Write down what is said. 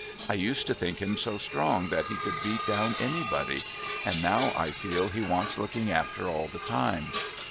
I used to think him so strong that he could beat down anybody, and now I feel he wants looking after all the time.